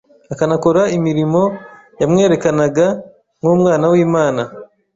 akanakora imirimo yamwerekanaga nk’umwana w’Imana,